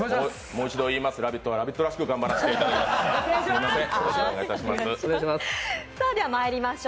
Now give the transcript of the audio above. もう一度言います、「ラヴィット！」は「ラヴィット！」らしく頑張らせていただきます。